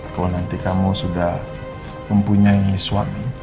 kalau nanti kamu sudah mempunyai suami